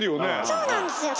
そうなんですよ。